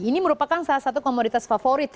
ini merupakan salah satu komoditas favorit dari tiongkok